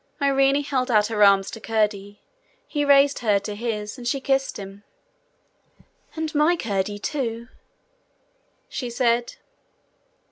Irene held out her arms to Curdie. He raised her in his, and she kissed him. 'And my Curdie too!' she said.